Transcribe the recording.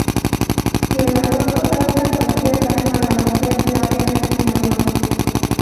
Si el aborto causa cualquier daño a la mujer la pena es mayor.